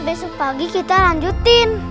besok pagi kita lanjutin